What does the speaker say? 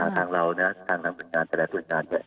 ทางเรานะทางทางผู้จัดงานแต่ละผู้จัดงาน